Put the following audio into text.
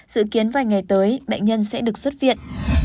dự kiến vài ngày tới bệnh nhân sẽ được xuất viện